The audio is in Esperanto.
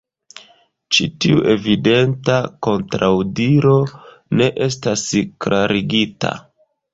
Ĉi tiu evidenta kontraŭdiro ne estas klarigita.